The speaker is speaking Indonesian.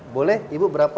boleh ibu berapa